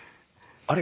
あれ？